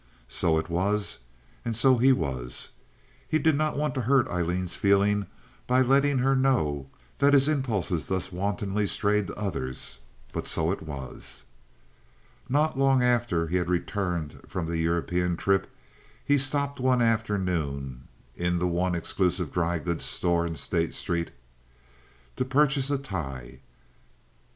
So it was and so he was. He did not want to hurt Aileen's feelings by letting her know that his impulses thus wantonly strayed to others, but so it was. Not long after he had returned from the European trip he stopped one afternoon in the one exclusive drygoods store in State Street to purchase a tie.